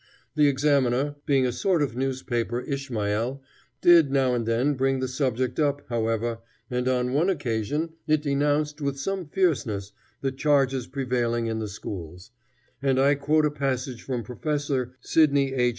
The Examiner, being a sort of newspaper Ishmael, did now and then bring the subject up, however, and on one occasion it denounced with some fierceness the charges prevailing in the schools; and I quote a passage from Prof. Sidney H.